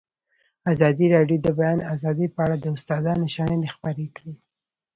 ازادي راډیو د د بیان آزادي په اړه د استادانو شننې خپرې کړي.